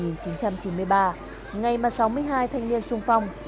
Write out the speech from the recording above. ngày mà sáu mươi hai thanh niên sung phong